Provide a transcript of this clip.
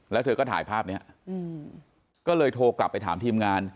แล้วเธอก็ถ่ายภาพนี้ก็เลยโทรกลับไปถามทีมงาน